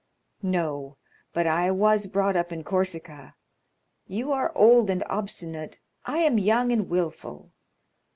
"No, but I was brought up in Corsica; you are old and obstinate, I am young and wilful.